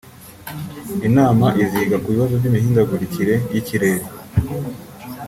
Inama iziga ku bibazo by’imihindagurikire y’ikirere